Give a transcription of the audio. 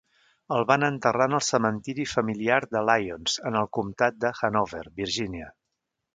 El van enterrar en el cementiri familiar de Lyons en el comtat de Hanover, Virginia.